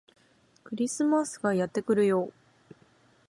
クリスマスがやってくるよ